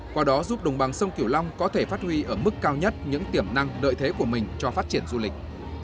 qua đó giúp đồng bằng sông kiểu long có thể phát huy ở mức cao nhất những tiềm năng lợi thế của mình cho phát triển du lịch